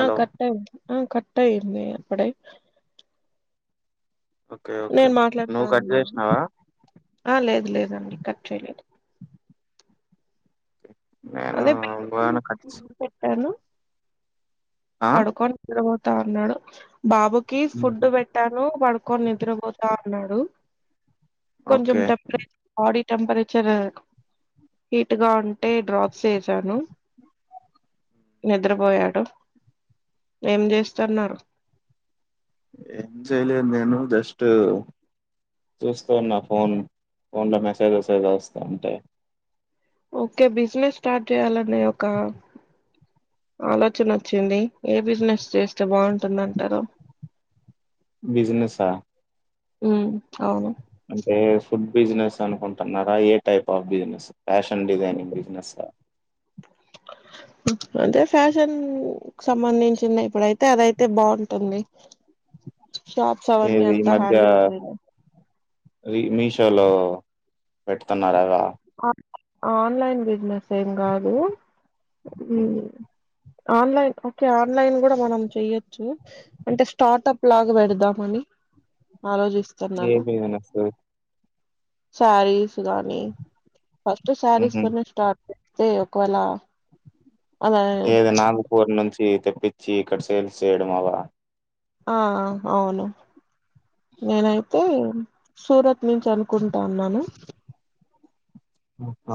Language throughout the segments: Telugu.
ఆ కట్ అయింది ఆ కట్ అయింది అప్పుడే ఓకే ఓకే నేను మాట్లాడతా నువ్వు కట్ అన్నా చేసినావా ఆ లేదు లేదండి కట్ చేయలేదు నేను అదే [inaudible] ఇంగోదాన్ని కట్ చే పేటను ఆ పడుకొని గూడ పోతు తా అన్నాడు బాబుకి ఫుడ్ హుహు. పెట్టాను పడుకొని నిద్రపోతా అన్నాడు కొంచం okay temperature body temperature heat గా ఉంటే డ్రాప్స్ వేసాను నిద్రపోయాడు ఏం చేస్తున్నారు ఎం చెయ్యలేదు నేను జస్ట్ చూస్తూ ఉన్నా ఫోన్ ఫోన్ లో మెసేజెస్ ఏదో వస్తా ఉంటే ఓకే బిజినెస్ స్టార్ట్ చేయాలనే ఒక ఆలోచన వచ్చింది. ఏ బిజినెస్ చేస్తే బాగుంటుంది అంటారు. బిజినెస్సా ఉమ్ అవును ఏ ఫుడ్ బిజినెస్ అనుకుంటున్నారా ఏ type of business fashion designing business ఆ అంటే ఫ్యాషన్ సంబంధించిన ఇప్పుడైతే అదయితే బాగుంటుంది. షాప్స్ అవన్నీ అంతా హ్యాండిల్ చెయ్యలేం. మీషో లో పెడుతున్నారు అవా ఆన్లైన్ బిజినెస్ ఏం కాదు. మ్ ఉ ఆన్లైన్ ఓకే ఆన్లైన్ కూడా మనం చెయ్యొచ్చు. అంటే స్టార్టప్ లాగా పెడదామని ఆలోచిస్ ఏవి వినసు సారీసు గానీ ఫస్ట్ సారీస్ ఉహు తోనే స్టార్ట్ అంతే ఒకవేళ అలా ఏది నాగపూర్ నుంచి తెప్పించి ఇక్కడ సేల్స్ చేయడం అవ ఆ అ అవును నేనైతే సూరత్ నుంచి అనుకుంటా ఉన్నాను హ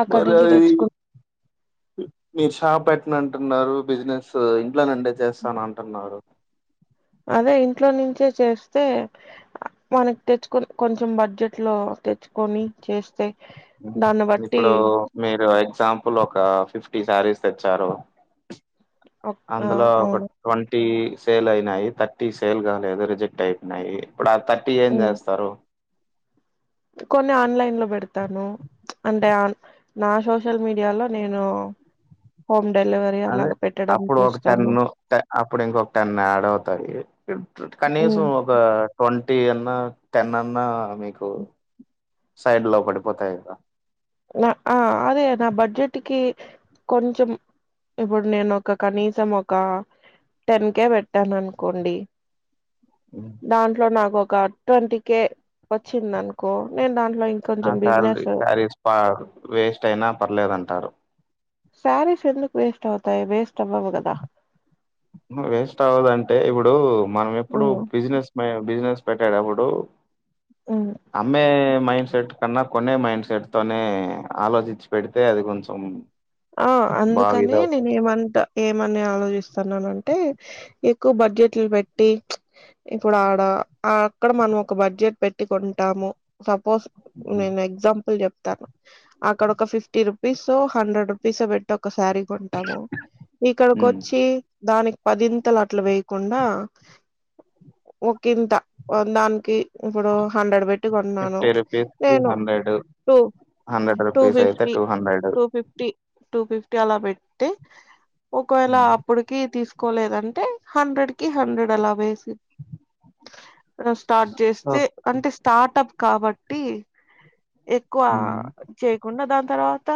అక్కడి నుంచి తెచ్చు మీరు షాప్ పెట్టనంటున్నారు. బిజినెస్ ఇంట్లోనుండే చేస్తానంటున్నారు. అదే ఇంట్లో నుంచే చేస్తే మనకు తెచ్చుకొని కొంచెం బడ్జెట్ లో తెచ్చుకొని చేస్ ఇప్పుడు మీరు ఐ ఎక్సంపుల్ ఒక ఫిఫ్టీ శారీస్ తెచ్చారు ఆ అందులో ఒక అవును ట్వం థటీ సేల్ అయినాయి. థర్టీ సేల్ కాలేదు రిజెక్ట్ అయినాయి. ఇప్పుడు ఆ థర్టీ ఏం ఉమ్. చేస్తారు కొన్ని ఆన్లైన్ లో పెడతాను. అంటే నా సోషల్ మీడియాలో నేను హోమ్ డెలివరీ అదే అలాగ పెట్టడం అప్పుడు ఒక టెన్ చూస్తాను అప్పుడు ఇంకొక టెన్ యాడ్ అవుతాయి ఉమ్. కనీసం ఒక ట్వం ట్వంటి అన్నా టెన్ అన్నన్నా మీకు సైడ్ లో పడిపోతాయ్ ఇంగ ఆ అదే నా బడ్జెట్ కి కొంచెం ఇప్పుడు నేను ఒక కనీసం ఒక టెన్ కేే పెట్టాను అనుకోండి దాంట్లో నాకు ఒ ఒక ట్వంటీకే వచ్చింది అనుకో నేను దాన్ ఆ సార్ [unintelligible] సారేస్ ఆ వేస్ట్ అయినా పర్లేదంటారు శారీస్ ఎందుకు వేస్ట్ అవుతాయి వేస్ట్ అవ్వవు కదా వేస్ట్ అవదంటే ఇప్పుడు మనం ఎప్పుడు హ్మ్ బిజినెస్ మ బిజినెస్ పెట్టేటప్పుడు హ్మ్. అమ్మే మైండ్ సెట్ కన్నా కొనే మైండ్ సెట్ తోనే ఆలోచించి పెడితే అది కొంచెం ఆ బాగా అందుకని నేను ఇదవుతది ఏమంటా ఏమని ఆలోచిస్తా న్నాంటే ఎక్కువ బడ్జెట్లు పెట్టి ఇప్పుడు ఆడ అ అక్కడ మనం ఒక బడ్జెట్ పెట్టి కొంటాము. సప్ పోస్ నేను ఎగ్జాంపుల్ చెప్ తా అక్కడ ఒక fifty rupees hundred rupees bet ఒకసారిీ కొంటాము ఇక్కడకి ఉమ్ వచ్చి దానికి పదింతలు అట్లా వేయకుండా ఒకింత వన్దానికి ఇప్పుడు హండ్రెడ్ పెట్టి కొన్నాను. ఫిఫ్టీ రూపీస్ కి నేను hundred two hundred two rupees అయితే fifty two hundred two fifty two fifty అలా పెట్తే ఒకవేళ అప్పటికి తీసుకు కోలేదంటే హండ్రెడ్ కి హండ్రెడ్ అలా వేసి స్టార్ట్ చేస్తే అంటే స్టార్టమ్ కాబట్టి ఎక్కువ ఉమ్ చేయకుండా దాంతో తరువాత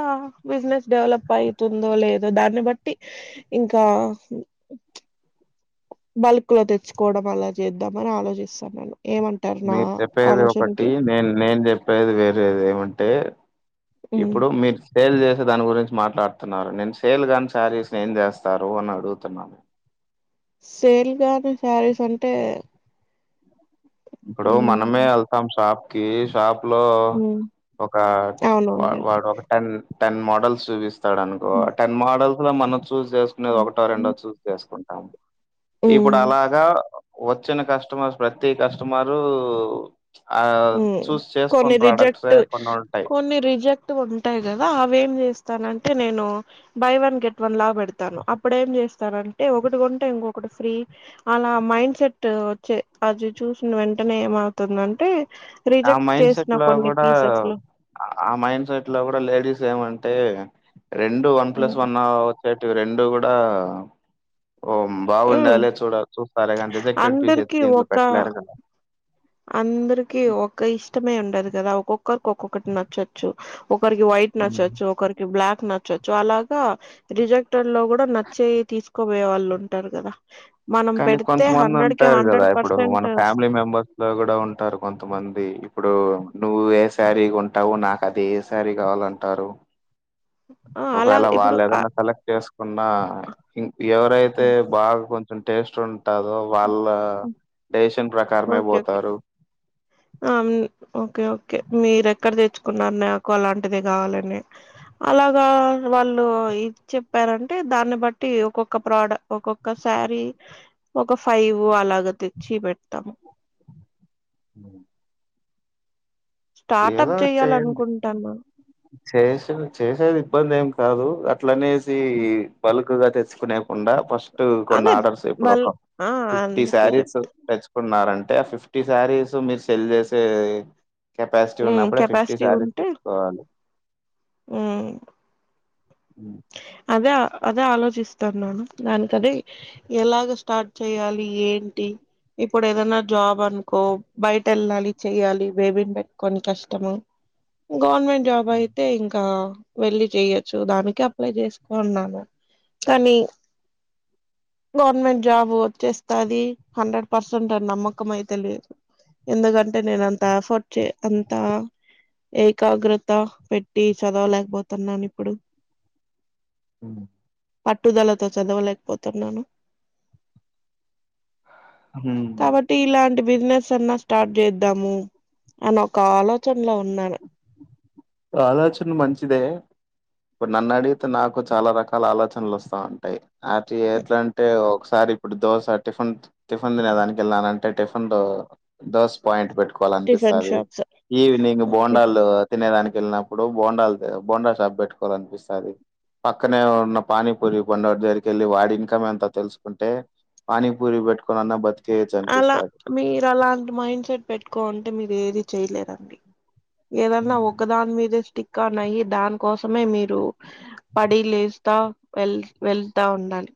బిజినెస్ డెవలప్ అయితుందో లేదో దాన్ని బట్టి ఇంకా బల్క్ లో తెచ్చుకోవడం అలా చేద్దామని ఆలోచిస్తాన్నాను ఏమంటారు నా మీరు చెప్పేది ఒకటి ఆలోచనకి నేను నేను చెప్పేది వేరేది ఏమంటే ఉమ్ ఇప్పుడు మీరు సేల్ చేసే దాని గురించి మాట్లాడుతున్నారు నేను సేల్ కాని శారీస్ ఏం చేస్తారు అని అడుగుతున్నా నేను సేల్ గానీ శారీస్ అంటే ఇప్పుడు మనమే ఉమ్ వెళ్తాం సాప్ కి షాప్ లో ఉమ్ ఒక అవునవునులే వాడు ఒక టెన్ టెన్ మోడల్స్ చూపిస్ స్తాడనుకో ఉమ్ టెన్ మోడల్స్ మన క్ చూజ్ చేసుకునేది ఒకటో రెండో ఉమ్ చూజ్ చేసుకొం టం ఇప్పుడు ఉమ్ అలాగా వచ్చిన కస్టమర్స్ ప్రతి కష్ మారు కొన్ని ప్రోడక్ట్సే రిజెక్ట్ కొన్ని ఉంటాయి కొన్ని రిజెక్ట్ ఉంటాయి. కదా అవేం చేస్ స్తానంటే. నేను బై వన్ గెట్ వన్ లా పెడతాను. అప్పుడ ఏం చేస్తానంటే ఒకటి కొంటే ఇంకొకటి ఫ్రీ అలా మైండ్ సెట్ వచ్చే అది చూసిన వెంటనే ఏమవుతుందంటే. ఆ రిజెక్ట్ మైండ్ సెట్ చేసిన లో కొన్ని కూడా పీసెస్ లో ఆ మైండ్ సెట్ లో కూడా లేడీస్ ఏమంట్ టే రెండు వన్ ప్లస్ వన్ ఆహ్ టివి రెండు కూడా ఓ బాగుండాలి చూడ చూస్తారే కానీ రిజెక్టేడ్ పీసెస్ అయితే అందరికి దీంట్లో ఒక పెట్టలేరు కదా. అందరికి ఒక్ ఇష్టమే ఉండదు కదా. ఒక్కొక్కరికి ఒక్కొక్కటి నచ్చొచ్చు. ఒకరికి వైట్ నచ్చచ్చు ఒకరికి బ్లాక్ నచ్చొచ్చు. అలాగా రిజెక్టర్ లో కూడా నచ్చే తీసుకోబోయే వాళ్ళు ఉంటారు కదా మనం కానీ పెడితే కొంతమంది హండ్రెడ్ కి ఉంటారు కదా. హండ్రెడ్ ఇప్పుడు పర్సెంట్ మన ఫ్యామిలీ మెంబర్స్ లో కూడా ఉంటారు కొంతమంది. ఇప్పుడు నువ్వు ఏ సారీ కొంటావు నాకు అదే సారీ కావాలంటారు. ఆ అలా ఒకవేళ ఇప్పుడు వాళ్ళు ఆ ఏదన్నా సెలెక్ట్ చేసుకున్నా. ఇంక్ ఎవరైతే బాగా కొం టేస్ట్ ఉ ఉంటాదొ వాళ్ళ టేస్ట్ ఇష్టం ప్రకారమే ఓకే ఓకే పోతారు. ఆమ్ ఓకే ఓకే మీరు ఎక్కడ తెచ్చుకున్నారు. నాకు అలాంటిది కావాలని అలాగా వాళ్ళు ఇది చెప్పారంటే దాన్ని బట్టి ఒక్కొక్క ప్రోడ ఒక్కొక్క శారీ ఒక ఫైవ్ అలాగ తెచ్చి పెడతాము. ఉ [inaudible] స్టార్టప్ ఏదో చేయండి. చేయాలనుకుంటాను చేసే చేసేది ఇబ్బంది ఏం కాదు కాన్ అట్లనేసి హ్మ్. పల్ ఎక్కువగ తెచ్చుకునే ఉండా ఫస్ట్ కొన్న అదే ఆర్డర్స్ ఇప్పుడు బల్ ఒక ఆ ఫిఫ్టీ అందుకే చెప్ శారీస్ తెచ్చు కున్నారంటే ఆ ఫిఫ్టీ శారీస్ మీరు సెల్ చేసే కెపాసిటీ మ్ ఉన్నప్పుడ్ ఫిఫ్టీ కెపాసిటీ సారీస్ ఉంటే తెచ్చుకోవాలి మ్ ఉ [inaudible] అదే అదే ఆలోచిస్తున్నాను దానికి అదే ఎలాగ స్టార్ట్ చెయ్యాలి ఏంటి ఇప్పుడు ఏదన్న జాబ్ అనుకో బయట ఎళ్ళాలి చేయ్యాలి బేబిని పెట్టుకోని కష్టము గవర్మెంట్ జాబ్ అయితే ఇంకా వెళ్ళి చేయొచ్చు దానికి అప్లై చేసుకున్నా గ కనీ గవర్నమెంట్ జాబ్ వచ్చేస్తది హండ్రెడ్ పర్సెంట్ అని నమ్మకం అయితే లేదు ఎందుకంటే నేను అంత అఫోర్ట్ చే అంత ఏకాగ్రత పెట్టి చదవలేకపోతున్నాను ఇప్పుడు ఉమ్ పట్టుదలతో చదవలేకపోతున్నాను హ్మ్. కాబట్టి ఇలాంటి బిజినెస్ అన్న స్టార్ట్ చేద్దాము అన్న ఒక ఆలోచనలో ఉన్నాను ఆలోచన మంచిదే ఇప్పుడు నన్ను అడిగితే నాకు చాల రకాల ఆలోచనలు వస్తా ఉంటాయి అతి ఎట్ట్లాంటే ఒక సార్ ఇప్పుడు దోస టిఫిన్ టిఫిన్ తినేదానికి వెళ్ళానంటే టిఫిన్ లో దోశ పాయింట్ పెట్టు కోవాల టిఫిన్ అనిపిస్తాది షాప్స్ ఈవినింగ్ ఓకే బోండాలు తినె దానికి కెళ్ళినప్పుడు బోండాలు బోండా షాప్ పెట్టుకోవాలి అనిపిస్తది పక్కనే ఉన్న పానీపూరి బండోడి దగ్గరికెళ్ళి వాడి ఇన్కమ్ ఎంత తెలుసుకుంటే పానీపూరి పెట్టుకోనన్న బతి అల మీరు అలాంటి మైండ్ సెట్ పెట్టుకోంటే మీరు ఏది చేయలేరండి ఏదన్న ఒకదాని మీదే స్టిక్ ఇక నయి దానికోసమే మీరు పడి లేస్తా వె వెళ్తా ఉండాలి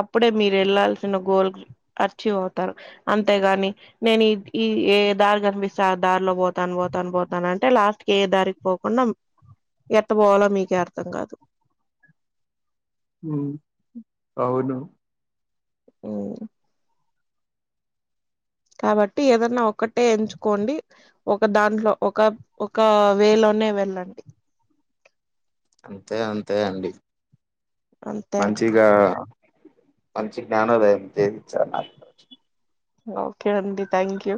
అప్పుడే మీర్ ఎళ్లాల్సిన గోల్ అచీవ్ అవు తరు అంతేగాని నేను ఈ ఈ ఏ దారి కనిపిస్తా దారిలో బోతాను బోతాను బోతాను అంటే లాస్ట్ కి ఏ దారికి పోకుండా ఎట్ట పోవాలో మీకే అర్థం కాదు ఉమ్ అవును ఉ కాబట్టి ఏదన్నా ఒక్కటే ఎంచుకోండి ఒక దాంట్లో ఒక ఒక వే లోనే వెళ్ళండి అంతె అంతె అండి అంతే అండి మంచిగా మంచి జ్ఞానోదయం నేర్పించ్చార్ నాకు ఓకె అండి థ్యాంక్ యూ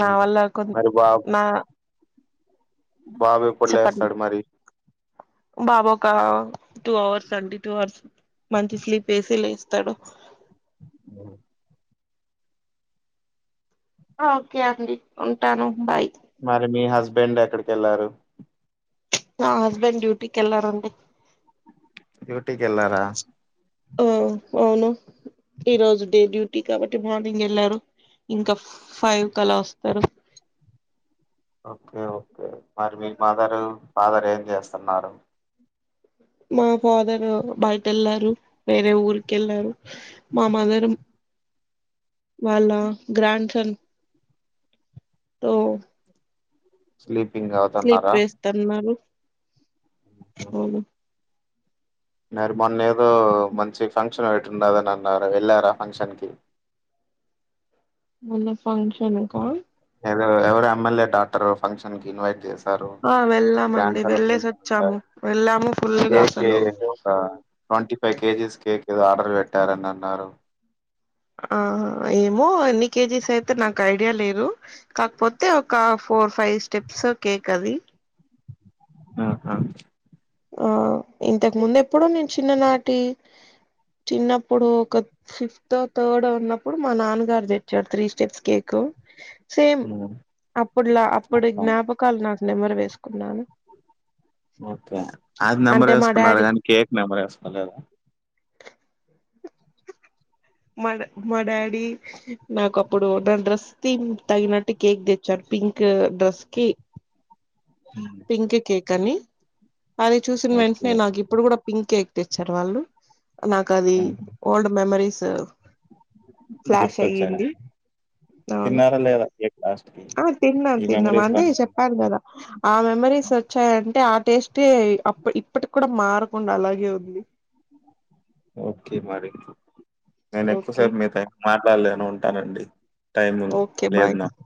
నా వల్ల కొన్ మరి బాబు నా బాబు చెప్పండి ఎప్పుడ్లేస్తాడు మరి బాబు ఒక టూ అవర్స్ అండి టూ అవర్స్ మంచి స్లీప్ వేసి లేస్తాడు అ ఆ ఓకే అండి ఉంటాను బాయ్ మరి మి హస్బెండ్ ఎక్కడికి వెళ్ళారు నా హస్బెండ్ డ్యూటీకి వెళ్లారండి డ్యూటీ కి వెళ్ళారా ఆ అవును ఈ రోజు డే డ్యూటీ కాబట్టి మార్నింగ్ వెళ్లారు ఇంకా ఫైవ్ క అలా వస్తారు. ఓకే ఓకే మరి మీ మదరు ఫాదర్ ఏం చేస్తున్నారు మా ఫాదర్ బయట వెళ్లారు వేరే ఊరిక వెళ్లారు మా మదర్ వాళ్ళ గ్రాండ్ సన్ తో స్లీపింగ్ స్లీప్ అవుతున్నారా వేస్తన్నారు అవును మరి మొన్న ఏదో మంచి ఫంక్షన్ ఒకటి ఉండది అని అన్నారు వెళ్ళారా ఫంక్షన్ కి మొన్న ఫంక్షన్ కా ఏదో ఎవరు ఎమ్మెల్యే డాటర్ ఫంక్షన్ కి ఇన్వైట్ చేశారు ఆ వెళ్ళామండి వెళ్ళేసి వచ్చాము [unintelligible] వెళ్ళాము ఫుల్గా కేక్ అసలు ఒక ట్వంటీ ఫైవ్ కేజీస్ కేక్ ఏదో ఆర్డర్ పెట్టారని అన్నారు. ఆహా ఏమో ఎన్ని కేజీస్ అయితే నాకు ఐడియా లేదు కాకపోతే ఒక ఫోర్ ఫైవ్ స్టెప్స్ కేక్ అది ఆహా ఆ ఇంతకు ముందు ఎప్పుడో నేను చిన్ననాటి చిన్నప్పుడు ఒక ఫిఫ్త్ థర్డ్ ఉన్నప్పుడు మా నాన్నగారు తెచ్చారు త్రీ స్టెప్స్ కేక్ సేమ్ అప్పుడులా అప్పుడు జ్ఞాపకాలు నాకు నెంబర్ వేసుకున్నాను [unintelligible] ఒకే అది నెంబర్ అంటే మా వేసుకున్నారు డాడీ కానీ కేక్ నెమరు వేసుకోలేదా మా మా డాడీ నాకు అప్పుడు నా డ్రస్ త తగినట్టు కేక్ తెచ్చారు పింక్ డ్రెస్ కి హ్మ్. పింక్ కేక్ కానీ అది చూసిన ఓకే వెంటనే నాకు ఇప్పుడు కూడా పింక్ ఎక్ తెచ్చారు వాళ్ళు నాకు అది ఓల్డ్ మెమరీస్ [unintelligible] ఫ్లాష్ గుర్తొచ్చరా అయ్యింది అవును తిన్నారా లేదా కేక్ లాస్ట్ ఆ తిన్నాం తిన్నాం అందుకి చెప్పాను కదా ఆ మెమరీస్ వచ్చాయి అంటే ఆ టేస్ట్ ఏ అప్ప ఇప్పటికి కూడా మారకుండా అలాగే ఉంది ఓకే మరి నేను ఎక్కువ ఓకే సేపు మీతో న ఉంటానండి టైము ఓకే బాయ్ లేదు నాకు